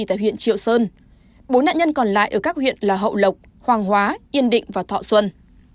tại huyện triệu sơn bốn nạn nhân còn lại ở các huyện là hậu lộc hoàng hóa yên định và thọ xuân